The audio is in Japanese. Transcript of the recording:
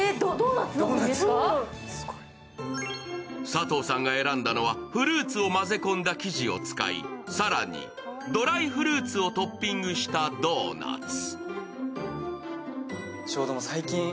佐藤さんが選んだのは、フルーツを混ぜ込んだ生地を使い、更にドライフルーツをトッピングしたドーナツ。